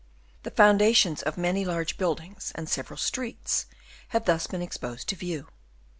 The foundations of many large buildings and several streets have thus been exposed to view.